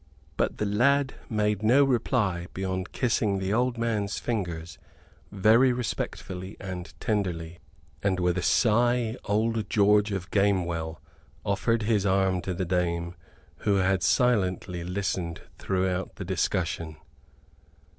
But the lad made no reply beyond kissing the old man's fingers very respectfully and tenderly; and with a sigh, old George of Gamewell offered his arm to the dame, who had silently listened throughout the discussion.